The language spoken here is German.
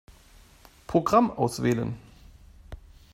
Programm auswählen.